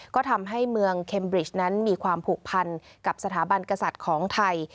ก็ทำให้เมืองเคมบริชนั้นมีความผูกพันกับสถาบันกษัตริย์ของไทย